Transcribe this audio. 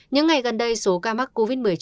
những ngày gần đây số ca mắc covid một mươi chín